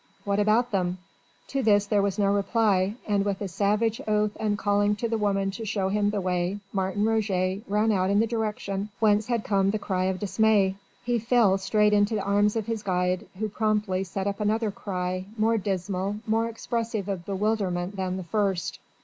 "What about them?" To this there was no reply, and with a savage oath and calling to the woman to show him the way Martin Roget ran out in the direction whence had come the cry of dismay. He fell straight into the arms of his guide, who promptly set up another cry, more dismal, more expressive of bewilderment than the first.